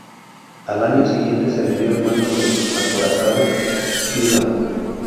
Al año siguiente se le dio el mando del acorazado "Hyūga".